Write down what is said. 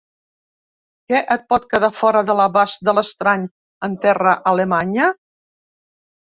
Què pot quedar fora de l'abast de l'estrany en terra alemanya?